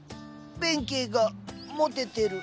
弁慶がモテてる。